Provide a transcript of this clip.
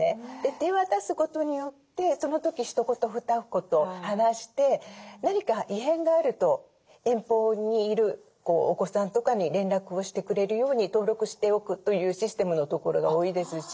手渡すことによってその時ひと言ふた言話して何か異変があると遠方にいるお子さんとかに連絡をしてくれるように登録しておくというシステムのところが多いですし。